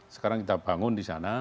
sekarang kita bangun disana